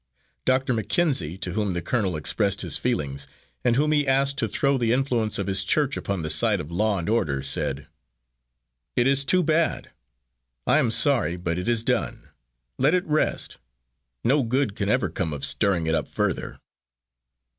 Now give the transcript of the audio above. Doctor McKenzie, to whom the colonel expressed his feelings, and whom he asked to throw the influence of his church upon the side of law and order, said: "It is too bad. I am sorry, but it is done. Let it rest. No good can ever come of stirring it up further."